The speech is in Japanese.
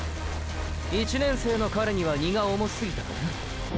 １年生の彼には荷が重すぎたかな？